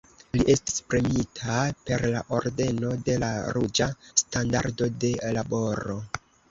Li estis premiita per la Ordeno de la Ruĝa Standardo de Laboro.